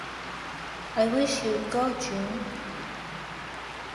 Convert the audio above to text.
I wish you’d go, June.